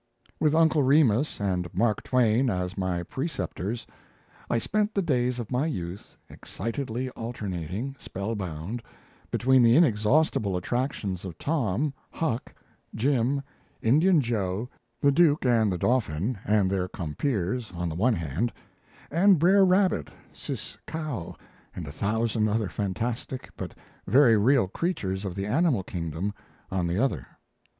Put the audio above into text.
With Uncle Remus and Mark Twain as my preceptors, I spent the days of my youth excitedly alternating, spell bound, between the inexhaustible attractions of Tom, Huck, Jim, Indian Joe, the Duke and the Dauphin, and their compeers on the one hand; and Brer Rabbit, Sis Cow, and a thousand other fantastic, but very real creatures of the animal kingdom on the other.